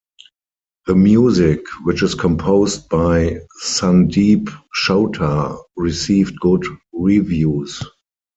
The music, which is composed by Sandeep Chowta, received good reviews.